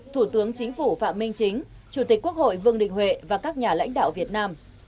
chủ tịch nước chính phủ phạm minh chính chủ tịch quốc hội vương đình huệ và các nhà lãnh đạo việt nam